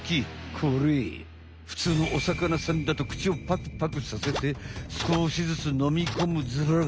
これふつうのお魚さんだと口をパクパクさせてすこしずつのみ込むズラが。